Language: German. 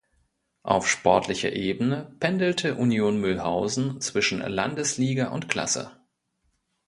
Auf sportlicher Ebene pendelte Union Mühlhausen zwischen Landesliga und -klasse.